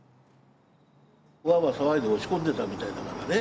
わーわー騒いで押し込んでたみたいだからね。